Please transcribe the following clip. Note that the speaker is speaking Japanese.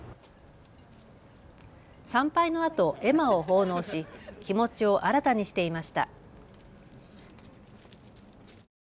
参拝のあと絵馬を奉納し気持ちを新たにしていました。